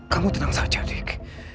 kamu tenang saja dik